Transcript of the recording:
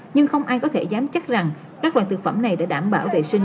nhưng không ai có thể dám chắc rằng các loại thực phẩm này đã đảm bảo vệ sinh